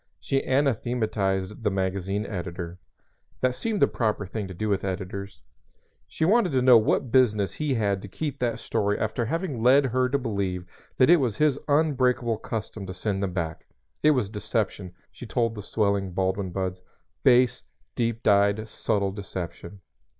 She anathematized the magazine editor. (That seems the proper thing to do with editors.) She wanted to know what business he had to keep that story after having led her to believe that it was his unbreakable custom to send them back. It was deception, she told the swelling Baldwin buds, base, deep dyed, subtle deception.